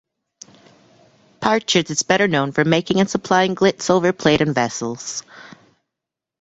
Partridge is better known for making and supplying gilt silver plate and vessels.